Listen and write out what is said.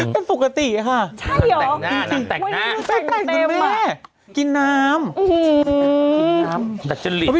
แต่ปกติอ่ะค่ะใช่หรอ